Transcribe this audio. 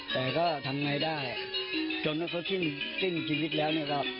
แต่ก็ทำไงได้จนที่เขายิ่งชื่นชีวิตแล้ว